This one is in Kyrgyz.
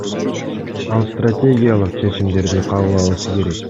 Ал стратегиялык чечимдерди кабыл алышы керек.